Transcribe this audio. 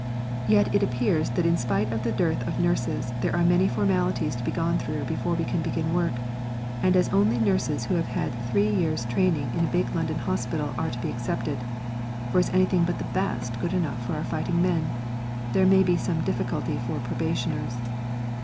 Yet it appears that in spite of the dearth of nurses there are many formalities to be gone through before we can begin work; and as only nurses who have had three years' training in a big London hospital are to be accepted (for is anything but the best good enough for our fighting men?), there may be some difficulty for probationers.